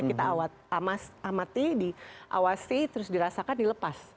kita amati diawasi terus dirasakan dilepas